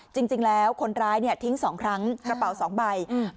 จริงแล้วคนร้ายเนี่ยทิ้งสองครั้งกระเป๋าสองใบอืม